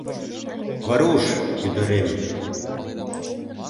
«Варуш ӱдырем!